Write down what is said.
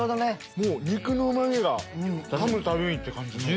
肉のうま味がかむたびにって感じです。